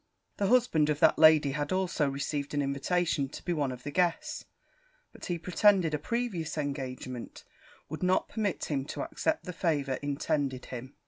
The husband of that lady had also received an invitation to be one of the guests; but he pretended a previous engagement would not permit him to accept the favour intended him.